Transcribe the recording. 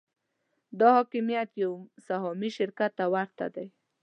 دا حاکمیت یو سهامي شرکت ته ورته دی.